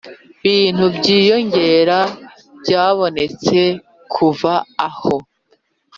bintu by inyongera byabonetse kuva aho